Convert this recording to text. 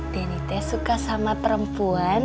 denny teh suka sama perempuan